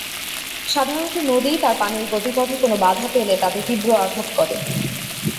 সাধারণত নদী, তার পানির গতিপথে কোনো বাধা পেলে তাতে তীব্র আঘাত করে।